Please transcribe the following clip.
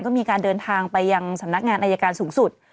ก็มีการเดินทางไปยังสำนักงานอายการสูงสุด